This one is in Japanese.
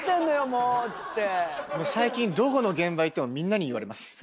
もう最近どこの現場行ってもみんなに言われます。